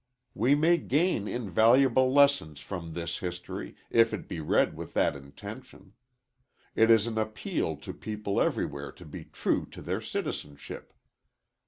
We may gain invaluable lessons from this history if it be read with that intention. It is an appeal to people everywhere to be true to their citizenship.